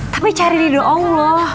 tapi cari diri doang loh